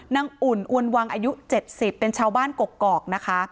อุ่นอวนวังอายุ๗๐เป็นชาวบ้านกกอกนะคะ